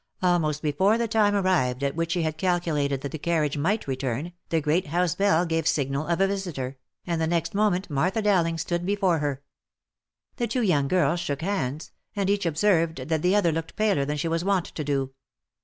Almost before the time arrived at which she had calculated that the carriage might return, the great house bell gave signal of a visiter, and the next moment Martha Dowling stood before her. The two young girls shook hands, and each observed that the other looked paler than she was wont to do.